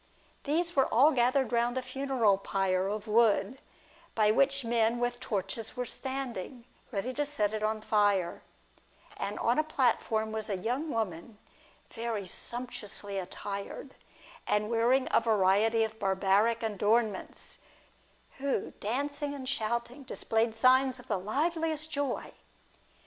These were all gathered round a funeral pyre of wood, by which men with torches were standing, ready to set it on fire; and on a platform was a young woman very sumptuously attired, and wearing a variety of barbaric adornments, who, dancing and shouting, displayed signs of the liveliest joy.